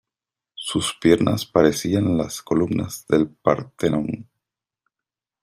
Sus piernas parecían las columnas del Partenón.